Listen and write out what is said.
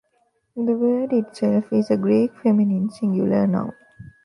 The word itself is a Greek feminine singular noun.